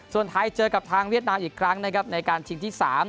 ส่วนไทยเจอกับทางเวียดนามอีกครั้งนะครับในการชิงที่๓